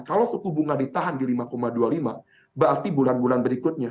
kalau suku bunga ditahan di lima dua puluh lima berarti bulan bulan berikutnya